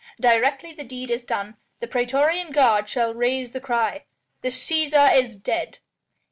"Directly the deed is done, the praetorian guard shall raise the cry: 'The Cæsar is dead!'"